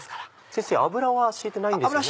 先生油は敷いてないんですよね？